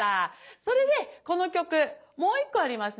それでこの曲もう１個ありますね。